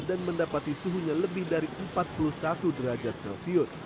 dan mendapati suhunya lebih dari empat puluh satu derajat celcius